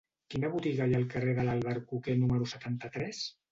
Quina botiga hi ha al carrer de l'Albercoquer número setanta-tres?